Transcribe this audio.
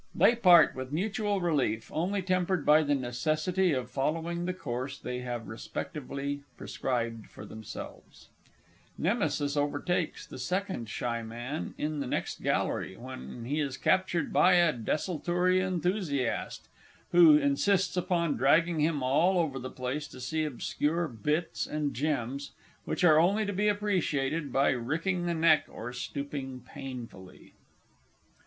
[_They part with mutual relief, only tempered by the necessity of following the course they have respectively prescribed for themselves. Nemesis overtakes the_ SECOND S. M. _in the next Gallery, when he is captured by a Desultory Enthusiast, who insists upon dragging him all over the place to see obscure "bits" and "gems," which are only to be appreciated by ricking the neck or stooping painfully_.